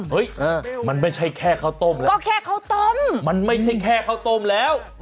เฮ้ยมันไม่ใช่แค่ข้าวต้มแล้วก็แค่ข้าวต้มมันไม่ใช่แค่ข้าวต้มแล้ว